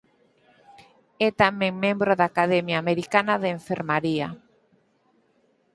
É tamén membro da Academia Americana de Enfermaría.